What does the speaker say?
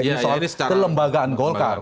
ini soal kelembagaan golkar